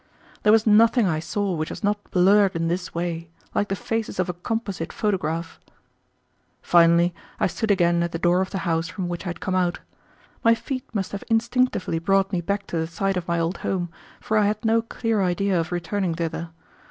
There was nothing I saw which was not blurred in this way, like the faces of a composite photograph. Finally, I stood again at the door of the house from which I had come out. My feet must have instinctively brought me back to the site of my old home, for I had no clear idea of returning thither.